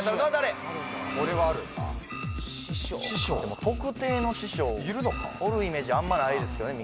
でも特定の師匠おるイメージあんまないですけどね